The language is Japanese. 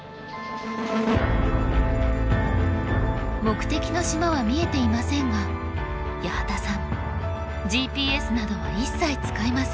目的の島は見えていませんが八幡さんＧＰＳなどは一切使いません。